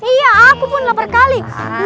iya aku pun lapar kali